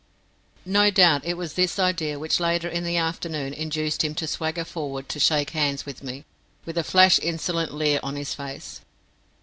No doubt it was this idea which later in the afternoon induced him to swagger forward to shake hands with me with a flash insolent leer on his face.